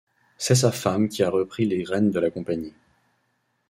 C'est sa femme qui a repris les rênes de la compagnie.